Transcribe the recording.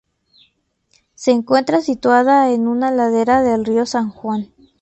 Se encuentra situada en una ladera del río San Juan.